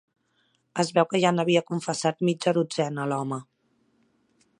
Es veu que ja n'havia confessat mitja dotzena, l'home.